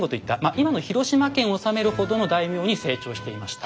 今の広島県を治めるほどの大名に成長していました。